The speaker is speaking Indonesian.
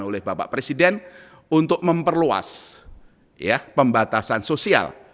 oleh bapak presiden untuk memperluas pembatasan sosial